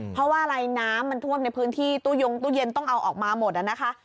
เพราะว่าอะไรน้ำมันท่วมในพื้นที่ตู้ยงตู้เย็นต้องเอาออกมาหมดนะคะ